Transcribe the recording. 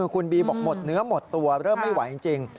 คุณบีบอกหมดเนื้อหมดตัวเริ่มไม่ไหวจริง